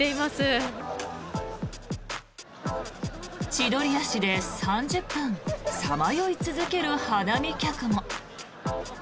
千鳥足で３０分さまよい続ける花見客も。